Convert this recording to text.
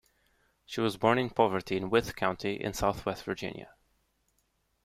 She was born in poverty in Wythe County in southwest Virginia.